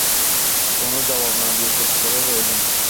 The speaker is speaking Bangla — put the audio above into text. কোনো জবাব না দিয়ে চুপ করে রইলুম।